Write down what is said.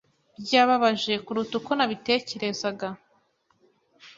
Byababaje kuruta uko nabitekerezaga.